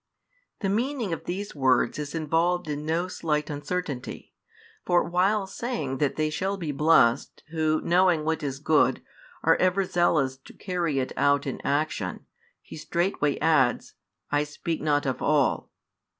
The meaning of these words is involved in no slight uncertainty. For while saying that they shall be blessed, who, knowing what is good, are ever zealous to carry it out in action, He straightway adds: I speak not of all.